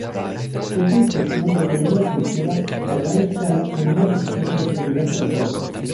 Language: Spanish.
Ésta inspección reveló la estructura a gran escala en una sección del Universo local.